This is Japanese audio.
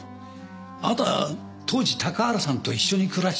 あなたは当時高原さんと一緒に暮らしていたんですよ。